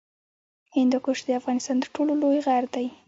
هندوکش د افغانستان تر ټولو لوی غر دی